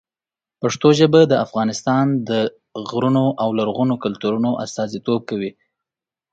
پښتو ژبه د افغانستان د غرونو او لرغونو کلتورونو استازیتوب کوي.